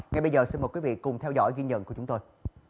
ngay bây giờ xin mời quý vị cùng theo dõi ghi nhận của chúng tôi